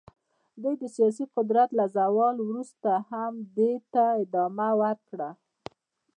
دوی د سیاسي قدرت له زوال وروسته هم دې ته ادامه ورکړه.